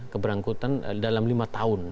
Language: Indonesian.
keberangkutan dalam lima tahun